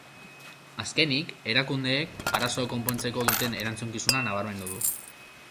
Azkenik, erakundeek arazo hau konpontzeko duten erantzukizuna nabarmendu du.